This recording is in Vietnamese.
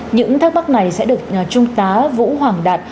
những thắc mắc này sẽ được trung tá vũ hoàng đạt